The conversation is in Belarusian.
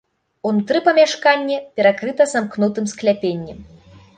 Унутры памяшканне перакрыта самкнутым скляпеннем.